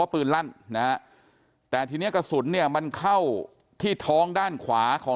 ปืนลั่นนะฮะแต่ทีนี้กระสุนเนี่ยมันเข้าที่ท้องด้านขวาของ